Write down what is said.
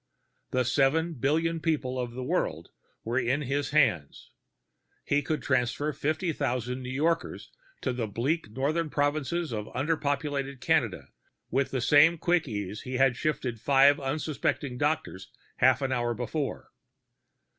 The seven billion people of the world were in his hands. He could transfer fifty thousand New Yorkers to the bleak northern provinces of underpopulated Canada with the same quick ease that he had shifted five unsuspecting doctors half an hour before.